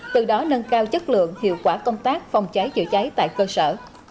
từ đó nâng cao chất lượng hiệu quả công tác phòng cháy chữa cháy tại cơ sở